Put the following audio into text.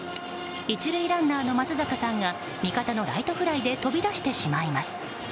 １塁ランナーの松坂さんが味方のライトフライで飛び出してしまいます。